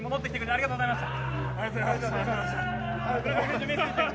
ありがとうございます。